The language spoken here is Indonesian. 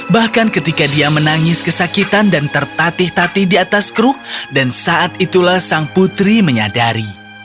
bahkan ketika dia menangis kesakitan dan tertatih tatih di atas kruk dan saat itulah sang putri menyadari